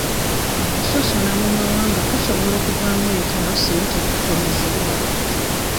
Okusosola mu mawanga kusobola okuvaamu entalo singa tekukomezebwa.